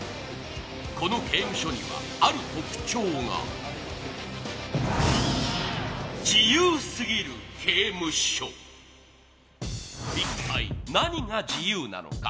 この刑務所には、ある特徴が一体、何が自由なのか。